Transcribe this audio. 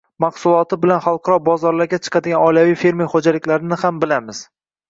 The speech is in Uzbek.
mahsuloti bilan xalqaro bozorlarga chiqadigan oilaviy fermer xo‘jaliklarini ham bilamiz.